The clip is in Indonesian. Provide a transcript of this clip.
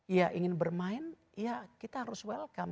ya ingin bermain ya kita harus welcome